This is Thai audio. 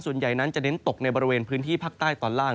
ส่วนใหญ่นั้นจะเน้นตกในบริเวณพื้นที่ภาคใต้ตอนล่าง